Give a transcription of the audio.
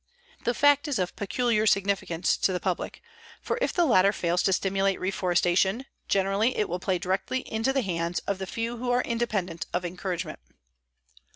_This fact is of peculiar significance to the public, for if the latter fails to stimulate reforestation generally it will play directly into the hands of the few who are independent of encouragement_.